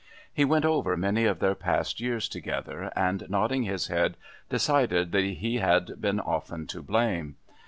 He went over many of their past years together, and, nodding his head, decided that he had been often to blame.